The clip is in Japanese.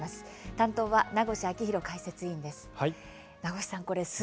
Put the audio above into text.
担当は名越章浩解説委員です。